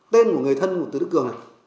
tên của người thân của từ đức cường này